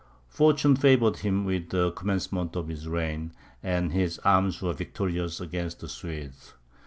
Fortune favoured him at the commencement of his reign, and his arms were victorious against the Swedes.